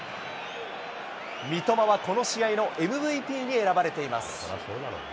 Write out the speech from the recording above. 三笘はこの試合のＭＶＰに選ばれています。